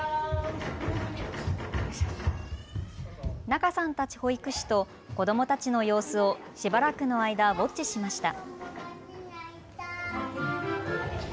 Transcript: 仲さんたち保育士と子どもたちの様子をしばらくの間ウォッチしました。